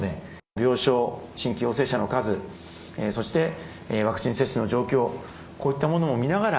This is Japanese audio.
病床、新規陽性者の数、そしてワクチン接種の状況、こういったものを見ながら、